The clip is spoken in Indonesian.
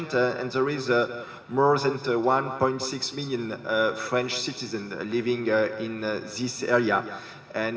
dan ada lebih dari satu enam juta warga perancis yang hidup di area ini